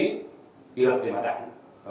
các cơ quan về mặt đảng